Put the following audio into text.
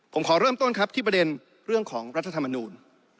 ผมขอเริ่มต้นครับที่ประเด็นเรื่องของรัฐธรรมนูล